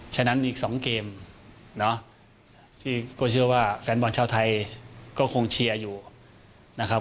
ฉะนั้นอีก๒เกมที่ก็เชื่อว่าแฟนบอลชาวไทยก็คงเชียร์อยู่นะครับ